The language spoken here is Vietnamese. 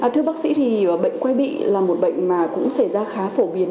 thưa bác sĩ thì bệnh quay bị là một bệnh mà cũng xảy ra khá phổ biến